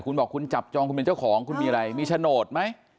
คุณบอกคุณจับจองคุณเป็นเจ้าของคุณมีอะไรมีโฉนดไหม